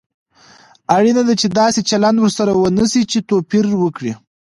اړینه ده چې داسې چلند ورسره ونشي چې توپير وکړي.